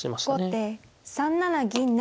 後手３七銀不成。